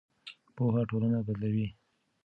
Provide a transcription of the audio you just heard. پوهه ټولنه بدلوي.